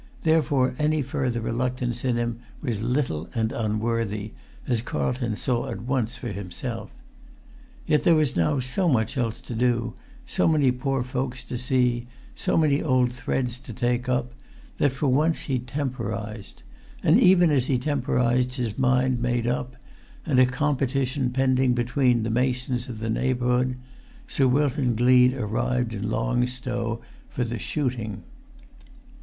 Therefore any further reluctance in him was little and unworthy, as Carlton saw at once for himself. Yet there was now so much else to do, so many poor folks to see, so many old threads to[Pg 340] take up, that for once he temporised. And even as he temporised, his mind made up, and a competition pending between the masons of the neighbourhood, Sir Wilton Gleed arrived in Long Stow for the shooting.